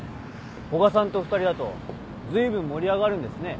古賀さんと２人だとずいぶん盛り上がるんですね。